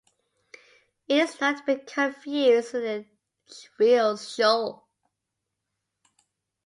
It is not to be confused with the "Realschule".